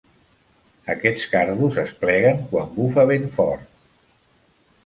Aquests cardos es pleguen quan bufa vent fort.